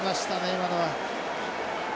今のは。